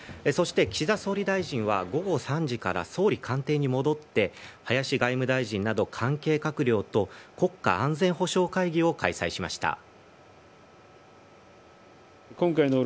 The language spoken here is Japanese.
そして、岸田総理大臣は午後３時から総理官邸に戻って林外務大臣など関係閣僚と国家安全保障会議を開催しました。